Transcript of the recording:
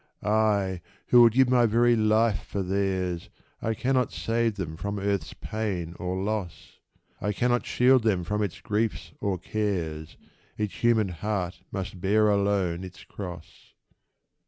I, who would give my very life for theirs, I cannot save them from earth's pain or loss ; I cannot shield them from its griefs or cares ; Each human heart must bear alone its cross